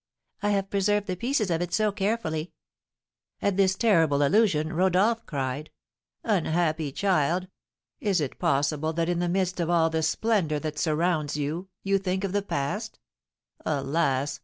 I have preserved the pieces of it so carefully!" At this terrible allusion, Rodolph cried: "Unhappy child! Is it possible that, in the midst of all the splendour that surrounds you, you think of the past? Alas!